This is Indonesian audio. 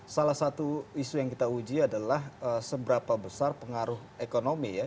salah satu isu yang kita uji adalah seberapa besar pengaruh ekonomi ya